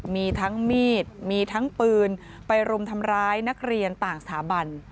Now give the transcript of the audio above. มีทั้งมีดมีทั้งปืนไปรุมทำร้ายนักเรียนต่างสถาบัน